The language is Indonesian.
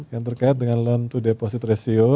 yang terkait dengan loan to deposit ratio